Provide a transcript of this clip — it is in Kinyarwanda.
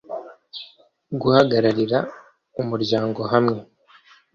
Guhagararira umuryango hamwe